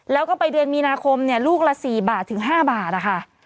แล้วก็ไปเดือนมีนาคมลูกละ๔บาทถึง๕บาทนะคะ